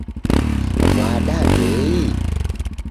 W'ada w'eii?